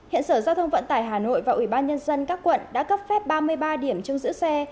hiện sở giao thông vận tải hà nội và ủy ban nhân dân các quận đã cấp phép ba mươi ba điểm trong giữ xe